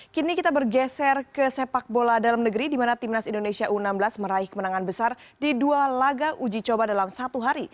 kini kita bergeser ke sepak bola dalam negeri di mana timnas indonesia u enam belas meraih kemenangan besar di dua laga uji coba dalam satu hari